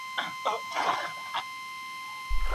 املا د ذهني او عملي وړتیاوو د لوړولو لپاره یو ګټوره وسیله ده.